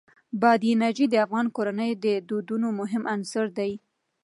بادي انرژي د افغان کورنیو د دودونو مهم عنصر دی.